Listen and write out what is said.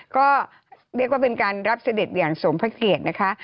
ก็เรียกว่าเป็นการรับเสด็จอย่างสมพระเกียรตินะคะ